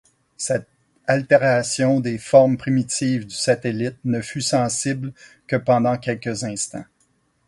Cette altération des formes primitives du satellite ne fut sensible que pendant quelques instants.